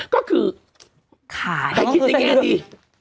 ก็คือขาให้คิดได้แค่นี้